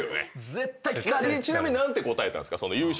ちなみに何て答えたんですか？